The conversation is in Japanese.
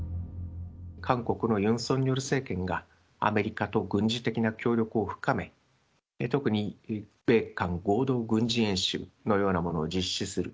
韓国のユン・ソンニョル政権がアメリカと軍事的な協力を深め、特に米韓合同軍事演習のようなものを実施する。